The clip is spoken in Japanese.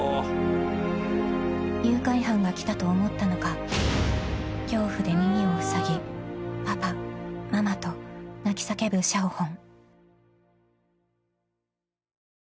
［誘拐犯が来たと思ったのか恐怖で耳をふさぎ「パパママ」と泣き叫ぶシャオホン］